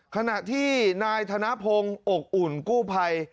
ขณะที่นายธนพงศ์อกอุ่นกู้ภัย